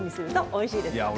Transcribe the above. おいしいです。